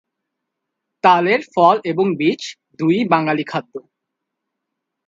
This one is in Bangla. তালের ফল এবং বীজ দুইই বাঙালি খাদ্য।